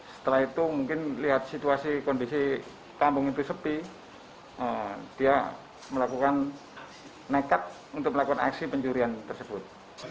setelah itu mungkin lihat situasi kondisi kampung itu sepi dia melakukan nekat untuk melakukan aksi pencurian tersebut